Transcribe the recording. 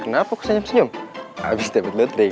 kenapa kusenyum senyum abis dapet lotre kan